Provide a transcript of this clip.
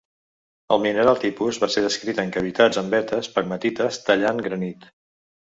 El mineral tipus va ser descrit en cavitats en vetes pegmatites tallant granit.